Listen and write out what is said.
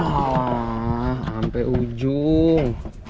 wah sampai ujung